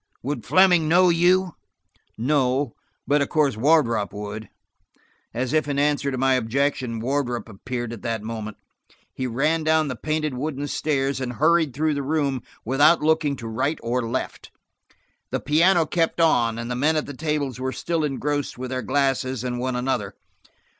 Would Fleming know you?" "No, but of course Wardrop would." As if in answer to my objection, Wardrop appeared at that moment. He ran down the painted wooden stairs and hurried through the room without looking to right or left. The piano kept on, and the men at the tables were still engrossed with their glasses and one another.